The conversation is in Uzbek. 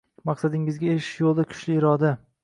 Maqsadingizga erishish yo’lida kuchli iroda